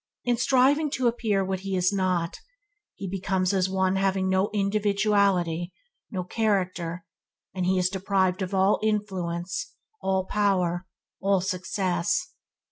In striving to appear what he is not, he becomes as one having no individuality, no character, and he is deprived of all influence, all power, all success.